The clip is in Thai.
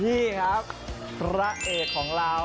พี่ครับพระเอกของเรา